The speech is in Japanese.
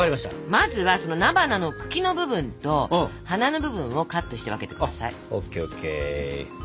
まずは菜花の茎の部分と花の部分をカットして分けて下さい。